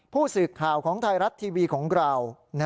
ผู้สื่อข่าวของไทยรัฐทีวีของเรา